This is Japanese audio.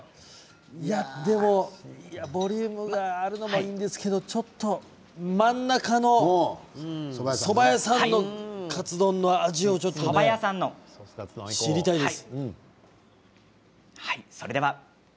でもボリュームがあるのもいいんですけど真ん中のそば屋さんのカツ丼の味を知りたいです。